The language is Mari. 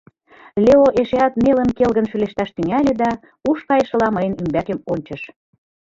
Лео эшеат нелын-келгын шӱлешташ тӱҥале да ушкайышыла мыйын ӱмбакем ончыш.